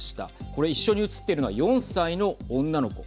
これ、一緒に写っているのは４歳の女の子。